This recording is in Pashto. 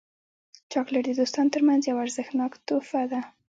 چاکلېټ د دوستانو ترمنځ یو ارزښتناک تحفه ده.